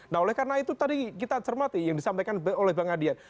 nah oleh karena itu tadi kita cermati yang disampaikan oleh bang adian